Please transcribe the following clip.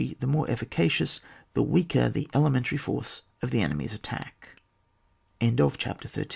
The more efficacious, the weaker the elementary force of the enemy's attack CHAPTER XIV.